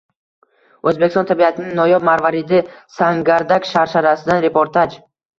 O‘zbekiston tabiatining noyob marvaridi – Sangardak sharsharasidan reportaj